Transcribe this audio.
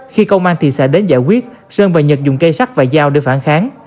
khi công an thị xã đến giải quyết sơn và nhật dùng cây sắt và dao để phản kháng